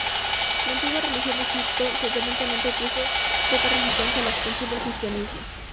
La antigua religión de Egipto, sorprendentemente, opuso poca resistencia a la expansión del cristianismo.